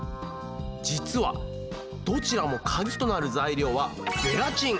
実はどちらもカギとなる材料はゼラチン。